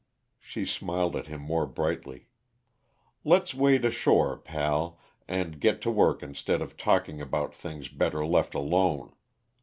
She smiled at him more brightly. "Let's wade ashore, pal, and get to work instead of talking about things better left alone.